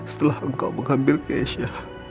setelah engkau mengambil keisha